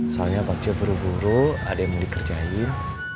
soalnya pasca buru buru ada yang mau dikerjain